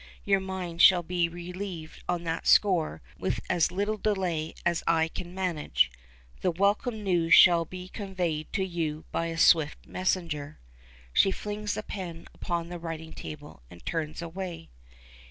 Your mind shall be relieved on that score with as little delay as I can manage. The welcome news shall be conveyed to you by a swift messenger." She flings the pen upon the writing table, and turns away.